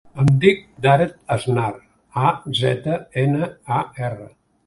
Em dic Darek Aznar: a, zeta, ena, a, erra.